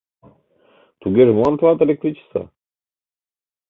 Тугеже молан тылат электричество?